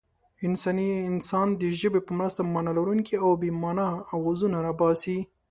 انسان د ژبې په مرسته مانا لرونکي او بې مانا اوازونه را باسي.